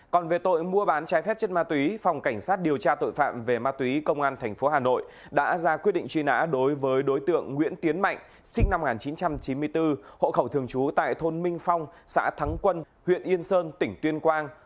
còn về tội mua bán trái phép chất ma túy phòng cảnh sát điều tra tội phạm về ma túy công an tp hà nội đã ra quyết định truy nã đối với đối tượng nguyễn tiến mạnh sinh năm một nghìn chín trăm chín mươi bốn hộ khẩu thường trú tại thôn minh phong xã thắng quân huyện yên sơn tỉnh tuyên quang